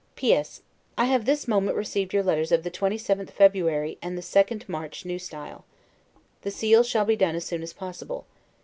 P. S. I have this moment received your letters of the 27th February, and the 2d March, N. S. The seal shall be done as soon as possible.